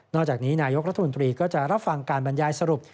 จากนี้นายกรัฐมนตรีก็จะรับฟังการบรรยายสรุป